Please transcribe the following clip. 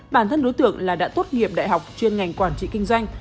bản thân đối tượng là đã tốt nghiệp đại học chuyên ngành quản trị kinh doanh